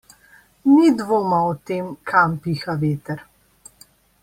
Ni dvoma o tem, kam piha veter.